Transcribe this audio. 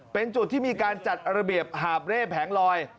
เป็นจุดที่มีการจัดระเบียบหาบเร่แผงลอย